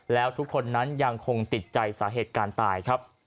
แล้วทุกคนนั้นยังคงติดใจสาเหตุการณ์ตายครับ